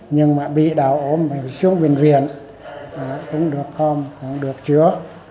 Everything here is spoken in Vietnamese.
nhưng mà bị đào ốm phải xuống bệnh viện cũng được không cũng được chữa